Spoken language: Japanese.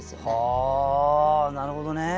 はあなるほどね。